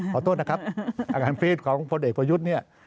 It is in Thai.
ขอโทษนะครับอาการปรี๊ดของพ่อเด็กพ่อยุธเนี่ย